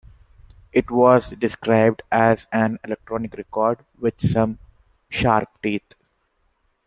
It was described as an "electronic record with some sharp teeth".